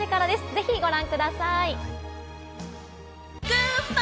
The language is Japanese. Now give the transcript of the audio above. ぜひご覧ください。